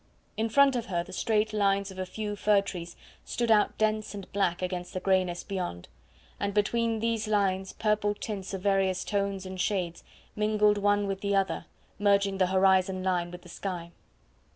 In front of her the straight lines of a few fir trees stood out dense and black against the greyness beyond, and between these lines purple tints of various tones and shades mingled one with the other, merging the horizon line with the sky.